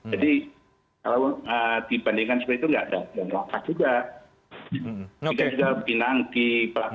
jadi kalau dibandingkan seperti itu tidak ada yang melangkah juga